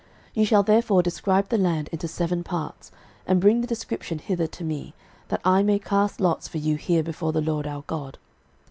06:018:006 Ye shall therefore describe the land into seven parts, and bring the description hither to me, that I may cast lots for you here before the LORD our God.